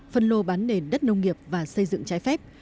phân lô bán nền đất nông nghiệp và xây dựng trái phép